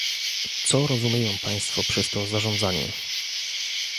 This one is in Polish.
Co rozumieją Państwo przez to zarządzanie?